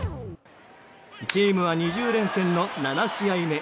チームは２０連戦の７試合目。